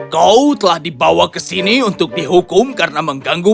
kau telah dibawa ke sini untuk dihukum karena mengganggu